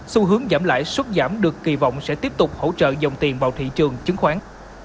xu hướng giảm lãi suất giảm được kỳ vọng sẽ tiếp tục hỗ trợ dòng tiền vào thị trường chứng khoán